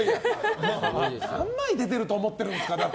何枚出てると思ってるんですか。